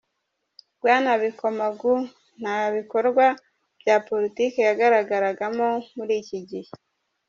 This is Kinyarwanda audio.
Bwana Bikomagu nta bikorwa bya politike yagaragaragamo muri iki gihe.